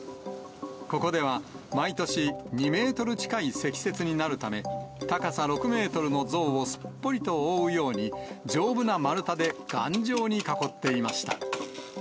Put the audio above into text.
ここでは毎年、２メートル近い積雪になるため、高さ６メートルの像をすっぽりと覆うように、丈夫な丸太で頑丈に囲っていました。